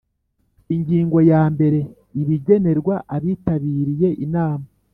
Ingingo ya mbere Ibigenerwa abitabiriye inama